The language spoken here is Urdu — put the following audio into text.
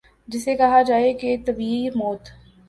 جسے کہا جائے کہ طبیعی موت